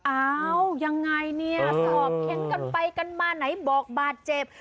อ้าวยังไงเนี่ยสอบเค้นกันไปกันมาไหนบอกบาดเจ็บ